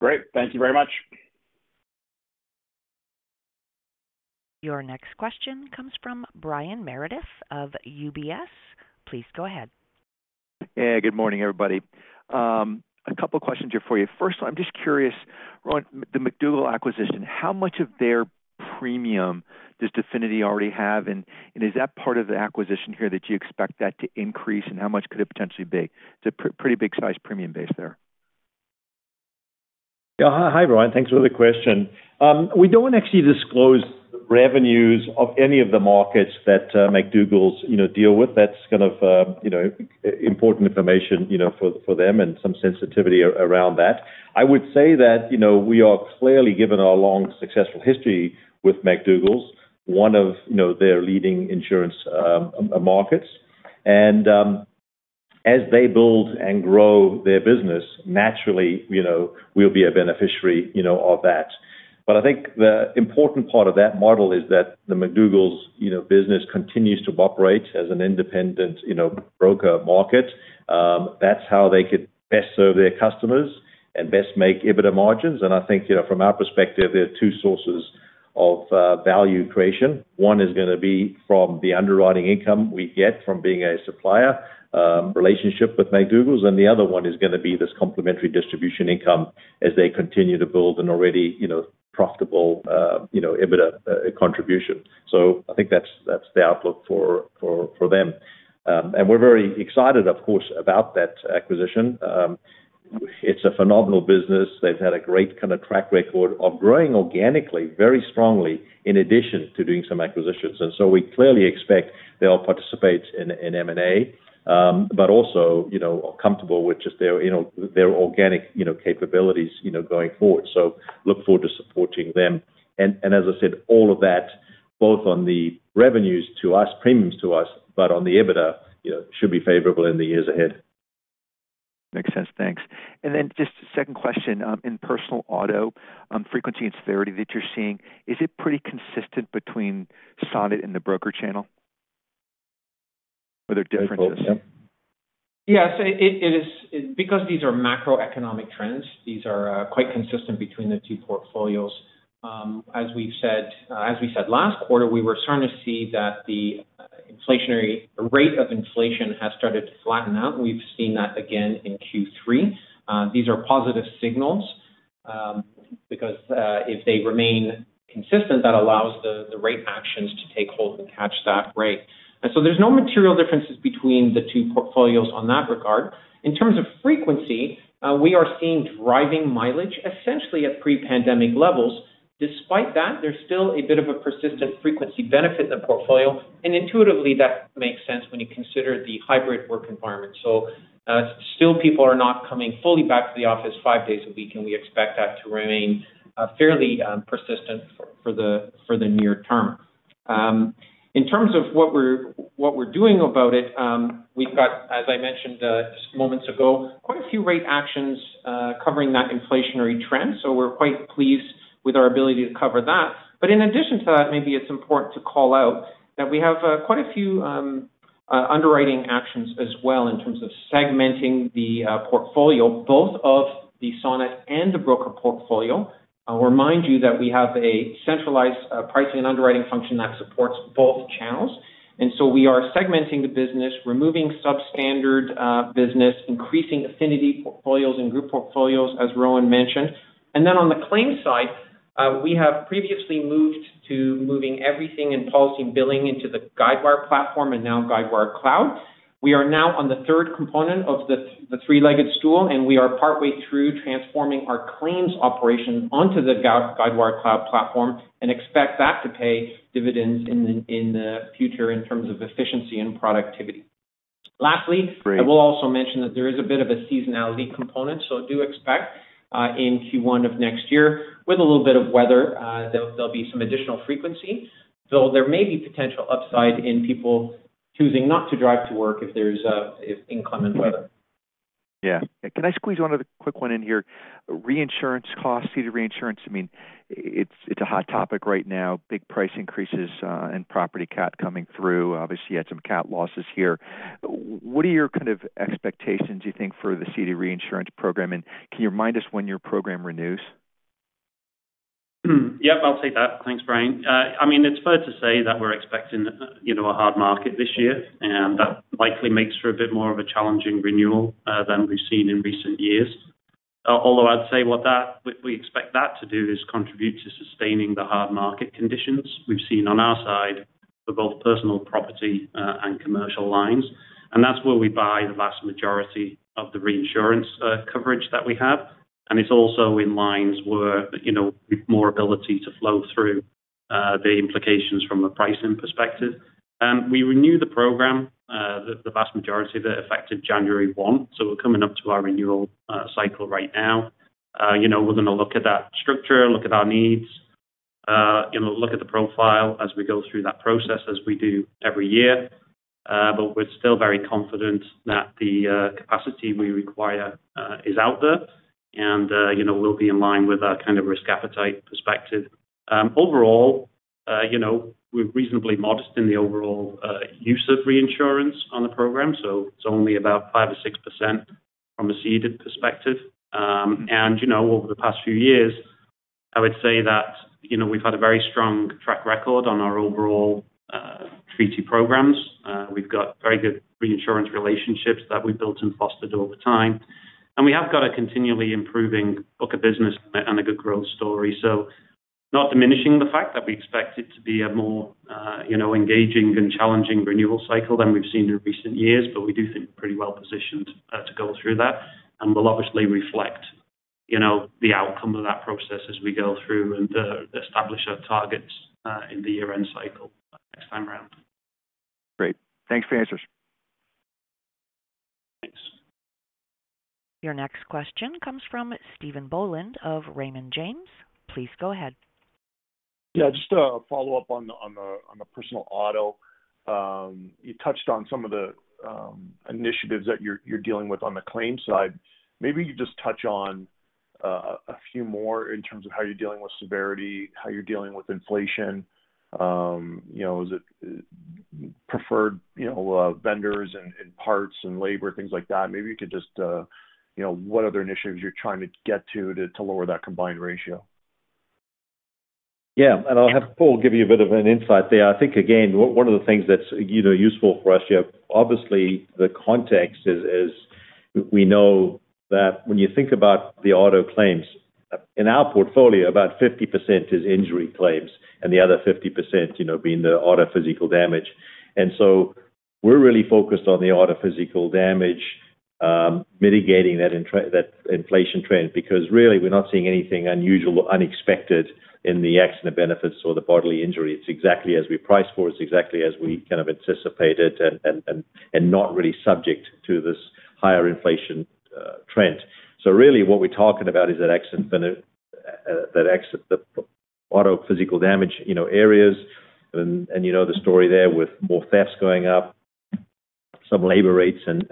Great. Thank you very much. Your next question comes from Brian Meredith of UBS. Please go ahead. Yeah, good morning, everybody. A couple of questions here for you. First, I'm just curious on the McDougall acquisition. How much of their premium does Definity already have? And is that part of the acquisition here that you expect that to increase, and how much could it potentially be? It's a pretty big size premium base there. Yeah. Hi, Brian. Thanks for the question. We don't want to actually disclose revenues of any of the markets that McDougall's deal with. That's kind of important information for them and some sensitivity around that. I would say that we are clearly given our long, successful history with McDougall's, one of their leading insurance markets. As they build and grow their business, naturally we'll be a beneficiary of that. I think the important part of that model is that the McDougall's business continues to operate as an independent broker market. That's how they could best serve their customers and best make EBITDA margins. I think from our perspective, there are two sources of value creation. One is gonna be from the underwriting income we get from being a supplier relationship with McDougall's, and the other one is gonna be this complementary distribution income as they continue to build an already, you know, profitable, you know, EBITDA contribution. I think that's the outlook for them. We're very excited, of course, about that acquisition. It's a phenomenal business. They've had a great kind of track record of growing organically very strongly in addition to doing some acquisitions. We clearly expect they'll participate in M&A, but also, you know, are comfortable with just their, you know, their organic, you know, capabilities, you know, going forward. Look forward to supporting them. As I said, all of that, both on the revenues to us, premiums to us, but on the EBITDA, you know, should be favorable in the years ahead. Makes sense. Thanks. Then just a second question, in personal auto, frequency and severity that you're seeing, is it pretty consistent between Sonnet and the broker channel? Are there differences? Yes. It is because these are macroeconomic trends. These are quite consistent between the two portfolios. As we've said last quarter, we were starting to see that the inflationary rate of inflation has started to flatten out, and we've seen that again in Q3. These are positive signals because if they remain consistent, that allows the rate actions to take hold and catch that rate. There's no material differences between the two portfolios on that regard. In terms of frequency, we are seeing driving mileage essentially at pre-pandemic levels. Despite that, there's still a bit of a persistent frequency benefit in the portfolio. Intuitively, that makes sense when you consider the hybrid work environment. Still people are not coming fully back to the office five days a week, and we expect that to remain fairly persistent for the near term. In terms of what we're doing about it, we've got, as I mentioned, just moments ago, quite a few rate actions covering that inflationary trend. We're quite pleased with our ability to cover that. In addition to that, maybe it's important to call out that we have quite a few underwriting actions as well in terms of segmenting the portfolio, both of the Sonnet and the broker portfolio. I'll remind you that we have a centralized pricing and underwriting function that supports both channels. We are segmenting the business, removing substandard business, increasing affinity portfolios and group portfolios, as Rowan mentioned. On the claims side, we have previously moved to moving everything in policy and billing into the Guidewire platform and now Guidewire Cloud. We are now on the third component of the three-legged stool, and we are partway through transforming our claims operation onto the Guidewire Cloud Platform and expect that to pay dividends in the future in terms of efficiency and productivity. Lastly. Great. I will also mention that there is a bit of a seasonality component, so do expect, in Q1 of next year with a little bit of weather, there'll be some additional frequency. So there may be potential upside in people choosing not to drive to work if inclement weather. Yeah. Can I squeeze one other quick one in here? Reinsurance costs, ceding reinsurance, I mean, it's a hot topic right now. Big price increases and property cat coming through. Obviously, you had some cat losses here. What are your kind of expectations you think for the ceding reinsurance program? And can you remind us when your program renews? Yep, I'll take that. Thanks, Brian. I mean, it's fair to say that we're expecting, you know, a hard market this year, and that likely makes for a bit more of a challenging renewal than we've seen in recent years. Although I'd say we expect that to do is contribute to sustaining the hard market conditions we've seen on our side for both personal property and commercial lines. That's where we buy the vast majority of the reinsurance coverage that we have. It's also in lines where, you know, with more ability to flow through the implications from a pricing perspective. We renew the program, the vast majority of it effective January 1, so we're coming up to our renewal cycle right now. You know, we're gonna look at that structure, look at our needs, you know, look at the profile as we go through that process as we do every year. We're still very confident that the capacity we require is out there. You know, we'll be in line with our kind of risk appetite perspective. Overall, you know, we're reasonably modest in the overall use of reinsurance on the program, so it's only about 5% or 6% from a ceded perspective. You know, over the past few years, I would say that, you know, we've had a very strong track record on our overall treaty programs. We've got very good reinsurance relationships that we've built and fostered over time. We have got a continually improving book of business and a good growth story. Not diminishing the fact that we expect it to be a more, you know, engaging and challenging renewal cycle than we've seen in recent years. We do think we're pretty well positioned to go through that. We'll obviously reflect, you know, the outcome of that process as we go through and establish our targets in the year-end cycle next time around. Great. Thanks for the answers. Thanks. Your next question comes from Stephen Boland of Raymond James. Please go ahead. Yeah, just a follow-up on the personal auto. You touched on some of the initiatives that you're dealing with on the claims side. Maybe you just touch on a few more in terms of how you're dealing with severity, how you're dealing with inflation. You know, is it preferred vendors and parts and labor, things like that? Maybe you could just you know, what other initiatives you're trying to get to to lower that combined ratio? Yeah. I'll have Paul give you a bit of an insight there. I think, again, one of the things that's, you know, useful for us, you know, obviously the context is we know that when you think about the auto claims, in our portfolio, about 50% is injury claims and the other 50%, you know, being the auto physical damage. We're really focused on the auto physical damage, mitigating that inflation trend because really we're not seeing anything unusual or unexpected in the accident benefits or the bodily injury. It's exactly as we priced for. It's exactly as we kind of anticipated and not really subject to this higher inflation trend. Really what we're talking about is the auto physical damage, you know, areas and you know the story there with more thefts going up, some labor rates and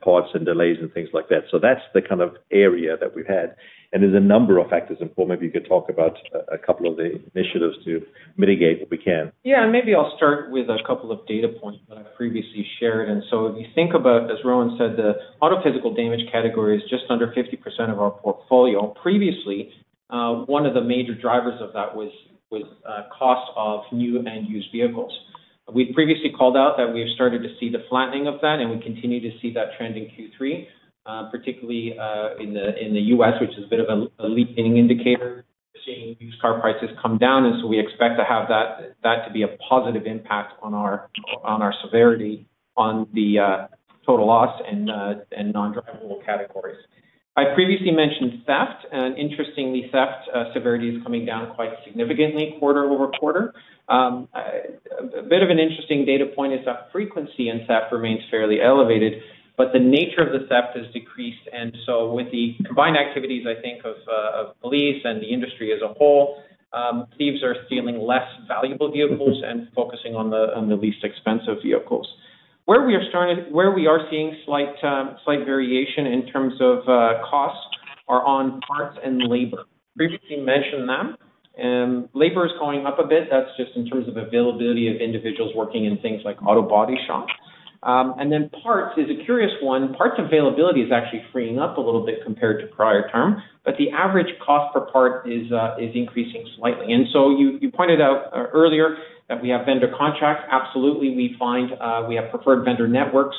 parts and delays and things like that. That's the kind of area that we've had. There's a number of factors. Paul, maybe you could talk about a couple of the initiatives to mitigate what we can? Yeah. Maybe I'll start with a couple of data points that I previously shared. If you think about, as Rowan said, the auto physical damage category is just under 50% of our portfolio. Previously, one of the major drivers of that was cost of new and used vehicles. We'd previously called out that we have started to see the flattening of that, and we continue to see that trend in Q3, particularly in the U.S., which is a bit of a leading indicator. We're seeing used car prices come down, and we expect to have that to be a positive impact on our severity on the total loss and non-drivable categories. I previously mentioned theft, and interestingly, theft severity is coming down quite significantly quarter-over-quarter. A bit of an interesting data point is that frequency in theft remains fairly elevated, but the nature of the theft has decreased. With the combined activities, I think of police and the industry as a whole, thieves are stealing less valuable vehicles and focusing on the least expensive vehicles. Where we are seeing slight variation in terms of cost are on parts and labor. Previously mentioned them. Labor is going up a bit. That's just in terms of availability of individuals working in things like auto body shops. Parts is a curious one. Parts availability is actually freeing up a little bit compared to prior term, but the average cost per part is increasing slightly. You pointed out earlier that we have vendor contracts. Absolutely, we find we have preferred vendor networks.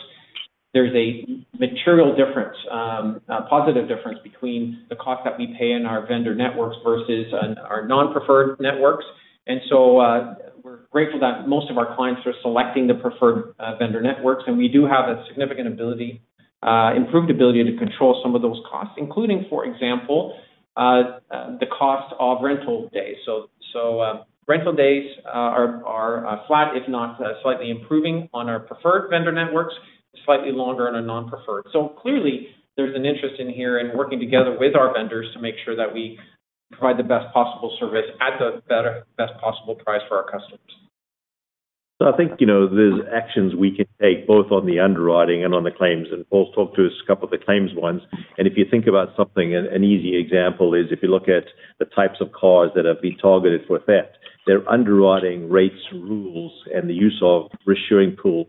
There's a material difference, a positive difference between the cost that we pay in our vendor networks versus on our non-preferred networks. We're grateful that most of our clients are selecting the preferred vendor networks. We do have a significant ability, improved ability to control some of those costs, including, for example, the cost of rental days. Rental days are flat if not slightly improving on our preferred vendor networks, slightly longer on our non-preferred. Clearly there's an interest in here in working together with our vendors to make sure that we provide the best possible service at the better, best possible price for our customers. I think, you know, there's actions we can take both on the underwriting and on the claims. Paul's talked to us a couple of the claims ones. If you think about something, an easy example is if you look at the types of cars that have been targeted for theft, their underwriting rates, rules, and the use of reinsurance pools,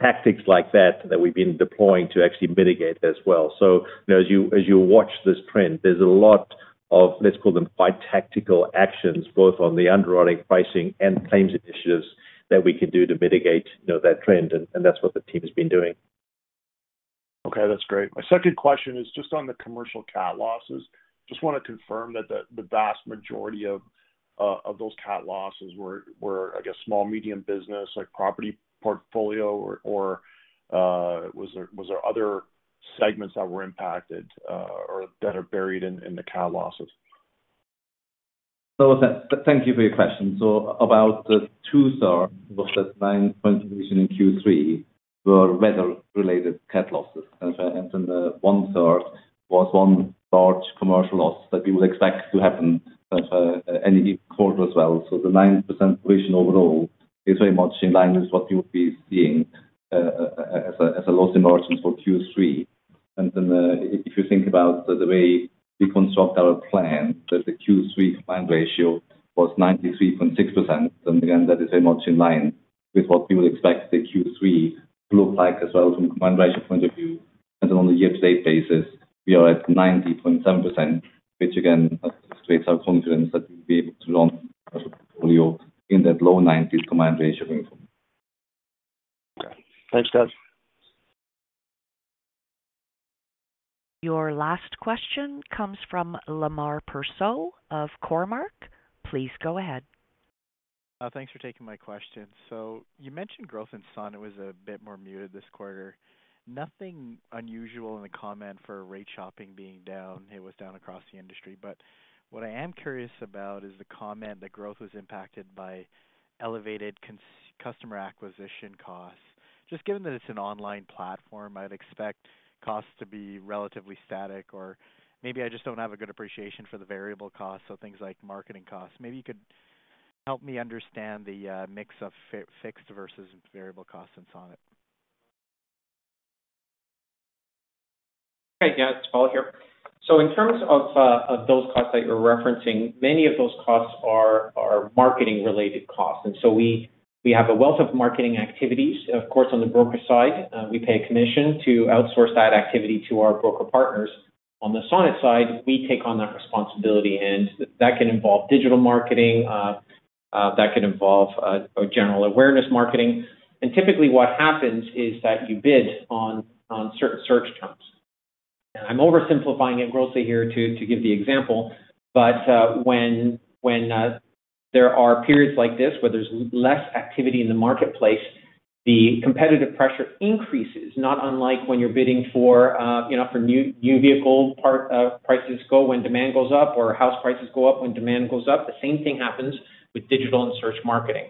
tactics like that we've been deploying to actually mitigate as well. You know, as you watch this trend, there's a lot of, let's call them, bite-sized tactical actions both on the underwriting, pricing, and claims initiatives that we can do to mitigate, you know, that trend. That's what the team has been doing. Okay, that's great. My second question is just on the commercial cat losses. Just wanna confirm that the vast majority of those cat losses were, I guess small, medium business like property portfolio or was there other segments that were impacted or that are buried in the cat losses? Thank you for your question. About the two-thirds of the 9-point deviation in Q3 were weather-related cat losses. As I mentioned, the one-third was one large commercial loss that we would expect to happen in any quarter as well. The 9% deviation overall is very much in line with what you would be seeing as a loss margin for Q3. If you think about the way we construct our plan, the Q3 combined ratio was 93.6%. Again, that is very much in line with what we would expect Q3 to look like as well from a combined ratio point of view. On the year to date basis, we are at 90.7%, which again illustrates our confidence that we'll be able to run our portfolio in that low 90s combined ratio going forward. Okay. Thanks, guys. Your last question comes from Lemar Persaud of Cormark. Please go ahead. Thanks for taking my question. You mentioned growth in Sonnet was a bit more muted this quarter. Nothing unusual in the comment for rate shopping being down. It was down across the industry. What I am curious about is the comment that growth was impacted by elevated customer acquisition costs. Just given that it's an online platform, I'd expect costs to be relatively static or maybe I just don't have a good appreciation for the variable costs or things like marketing costs. Maybe you could help me understand the mix of fixed versus variable costs in Sonnet? Okay. Yeah, it's Paul here. In terms of those costs that you're referencing, many of those costs are marketing-related costs. We have a wealth of marketing activities. Of course, on the broker side, we pay a commission to outsource that activity to our broker partners. On the Sonnet side, we take on that responsibility, and that can involve digital marketing, that can involve a general awareness marketing. Typically what happens is that you bid on certain search terms. I'm oversimplifying it grossly here to give the example. When there are periods like this where there's less activity in the marketplace, the competitive pressure increases. Not unlike when you're bidding for, you know, for new vehicle. Part of prices go when demand goes up or house prices go up when demand goes up. The same thing happens with digital and search marketing.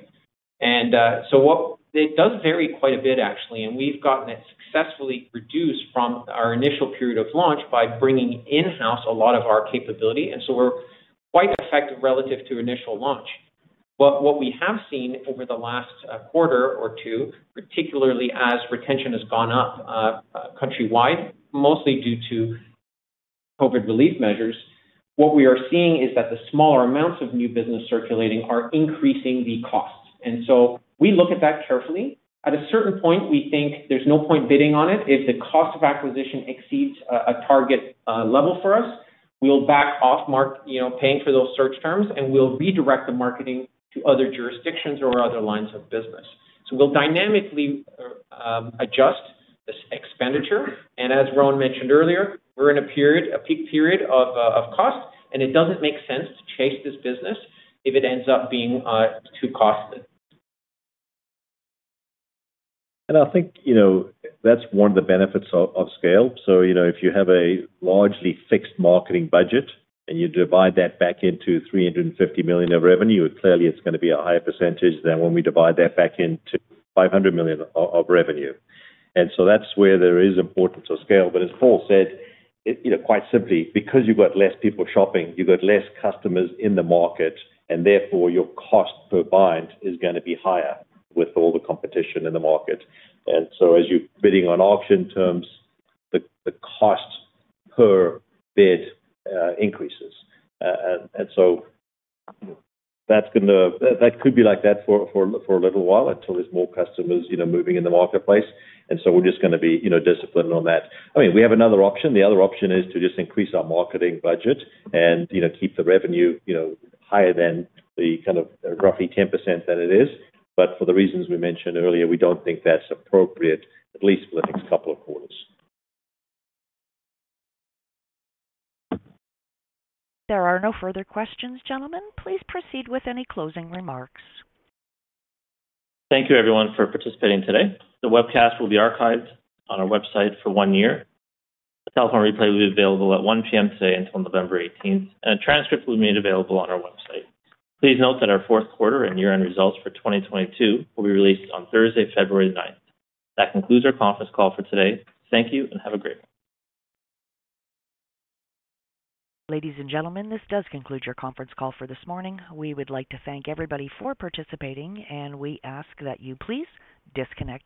It does vary quite a bit, actually, and we've gotten it successfully reduced from our initial period of launch by bringing in-house a lot of our capability. We're quite effective relative to initial launch. But what we have seen over the last quarter or two, particularly as retention has gone up countrywide, mostly due to COVID relief measures, what we are seeing is that the smaller amounts of new business circulating are increasing the costs. We look at that carefully. At a certain point, we think there's no point bidding on it. If the cost of acquisition exceeds a target level for us, we'll back off marketing, you know, paying for those search terms, and we'll redirect the marketing to other jurisdictions or other lines of business. We'll dynamically adjust this expenditure. As Rowan mentioned earlier, we're in a period, a peak period of cost, and it doesn't make sense to chase this business if it ends up being too costly. I think, you know, that's one of the benefits of scale. You know, if you have a largely fixed marketing budget and you divide that back into 350 million of revenue, clearly it's gonna be a higher percentage than when we divide that back into 500 million of revenue. That's where there is importance of scale. As Paul said, it, you know, quite simply, because you've got less people shopping, you've got less customers in the market, and therefore your cost per bind is gonna be higher with all the competition in the market. As you're bidding on auction terms, the cost per bid increases. So that's gonna be like that for a little while, until there's more customers, you know, moving in the marketplace. We're just gonna be, you know, disciplined on that. I mean, we have another option. The other option is to just increase our marketing budget and, you know, keep the revenue, you know, higher than the kind of roughly 10% that it is. For the reasons we mentioned earlier, we don't think that's appropriate, at least for the next couple of quarters. There are no further questions, gentlemen. Please proceed with any closing remarks. Thank you everyone for participating today. The webcast will be archived on our website for one year. The telephone replay will be available at 1:00 P.M. today until November 18, and a transcript will be made available on our website. Please note that our fourth quarter and year-end results for 2022 will be released on Thursday, February 9. That concludes our conference call for today. Thank you and have a great one. Ladies and gentlemen, this does conclude your conference call for this morning. We would like to thank everybody for participating, and we ask that you please disconnect your